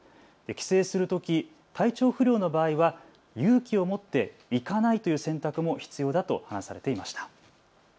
帰省するとき体調不良の場合は勇気を持って行かないという選択も必要だと話されていました。